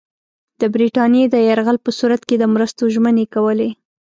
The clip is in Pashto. د برټانیې د یرغل په صورت کې د مرستو ژمنې کولې.